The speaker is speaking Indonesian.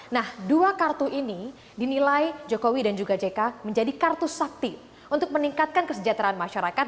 nah dua kartu ini dinilai jokowi dan juga jk menjadi kartu sakti untuk meningkatkan kesejahteraan masyarakat